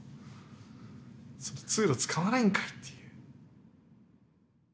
通路を使わないんかいっていう。